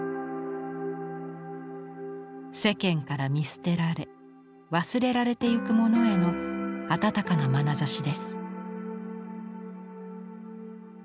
世間から見捨てられ忘れられていくものへの温かなまなざしです。